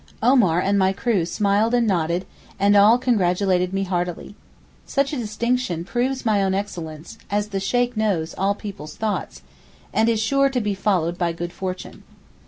Omar and my crew smiled and nodded, and all congratulated me heartily. Such a distinction proves my own excellence (as the Sheyk knows all people's thoughts), and is sure to be followed by good fortune.